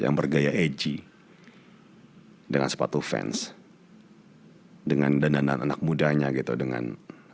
yang bergaya edgy dengan sepatu vans dengan dandanan anak mudanya gitu dengan